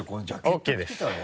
ＯＫです